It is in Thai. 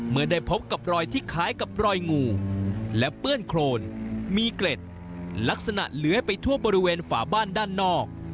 เมื่อได้พบกับรอยที่คล้ายกับรอยงูและเปื้อนโครนมีเกล็ดลักษณะเลื้อยไปทั่วบริเวณฝาบ้านด้านนอก